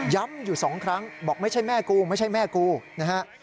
อยู่สองครั้งบอกไม่ใช่แม่กูไม่ใช่แม่กูนะฮะ